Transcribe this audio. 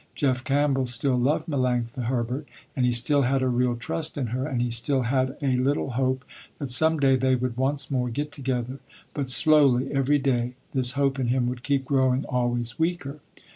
Jeff Campbell still loved Melanctha Herbert and he still had a real trust in her and he still had a little hope that some day they would once more get together, but slowly, every day, this hope in him would keep growing always weaker.